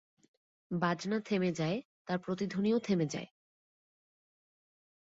বাজনা থেমে যায়, তার প্রতিধ্বনিও থেমে যায়।